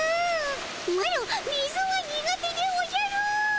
マロ水は苦手でおじゃる。